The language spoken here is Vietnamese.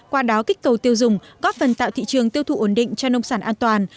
qua đó kích cầu tiêu dùng góp phần tạo thị trường tiêu thụ ổn định cho nông sản an toàn